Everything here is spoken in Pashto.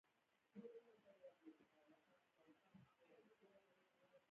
سپاره عسکر د افغانستان اصلي پوځي قوت دی.